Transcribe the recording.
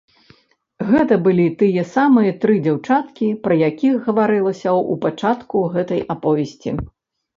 Гэта былі тыя самыя тры дзяўчаткі, пра якіх гаварылася ў пачатку гэтай аповесці.